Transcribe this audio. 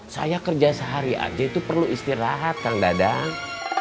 saya kerja sehari aja itu perlu istirahat kang dadang